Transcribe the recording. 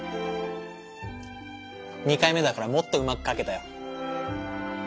２回目だからもっとうまく描けたよ。